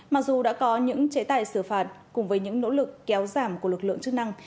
mặc dù đã có những chế tài xử phạt cùng với những nỗ lực kéo giảm của lực lượng chức năng